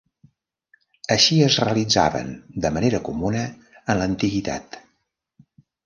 Així es realitzaven de manera comuna en l'antiguitat.